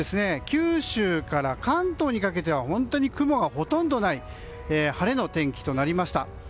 九州から関東にかけては本当に雲がほとんどない晴れの天気となりました。